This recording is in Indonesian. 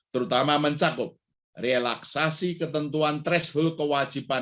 terutama mencakup relaksasi ketentuan threshold kewajiban